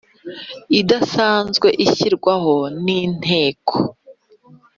idasanzwe ishyirwaho n Inteko